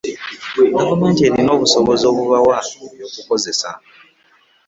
Gavumenti erina obusobozi obubawa eby'okukozesa?